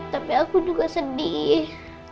tapi aku juga sedih